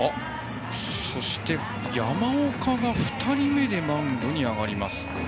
山岡が２人目でマウンドに上がります。